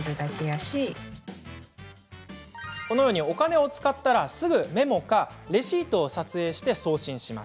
お金を使ったら、すぐメモかレシートを撮影し送信。